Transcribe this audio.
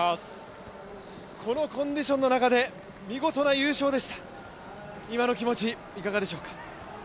このコンディションの中で見事な優勝でした今の気持ちいかがでしょうか？